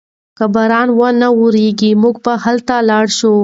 که باران و نه وریږي موږ به هلته لاړ شو.